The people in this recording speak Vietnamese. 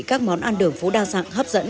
các món ăn đường phố đa dạng hấp dẫn